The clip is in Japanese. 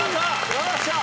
・よっしゃ！